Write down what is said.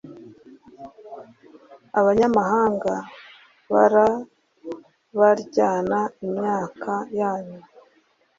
, abanyamahanga barabaryana imyaka yanyu